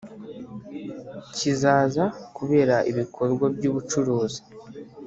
kizaza kubera ibikorwa by ubucuruzi